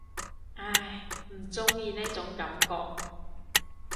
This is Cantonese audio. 唉，唔中意呢種感覺